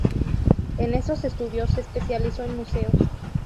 En esos estudios se especializó en Museos.